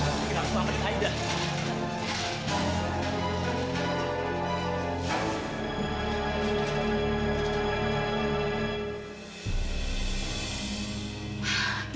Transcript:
aida kamu kenapa aida